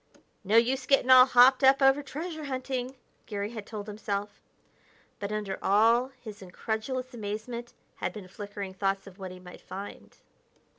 "No use getting all hopped up over treasure hunting," Garry had told himself. But under all his incredulous amazement had been flickering thoughts of what he might find.